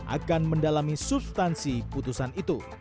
akan mendalami substansi putusan itu